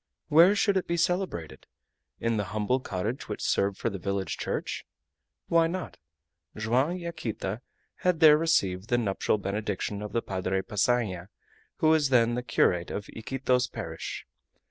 Where should it be celebrated? In the humble cottage which served for the village church? Why not? Joam and Yaquita had there received the nuptial benediction of the Padre Passanha, who was then the curate of Iquitos parish.